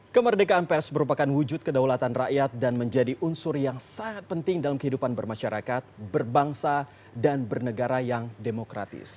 kemerdekaan pers merupakan wujud kedaulatan rakyat dan menjadi unsur yang sangat penting dalam kehidupan bermasyarakat berbangsa dan bernegara yang demokratis